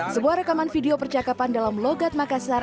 sebuah rekaman video percakapan dalam logat makassar